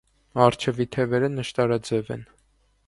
Առջևի թևերը նշտարաձև են։